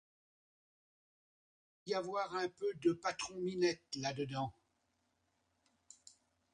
Il doit y avoir un peu de Patron-Minette là dedans.